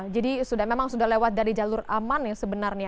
jadi memang sudah lewat dari jalur aman ya sebenarnya